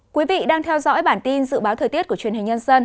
quý vị đang theo dõi bản tin dự báo thời tiết của truyền hình nhân dân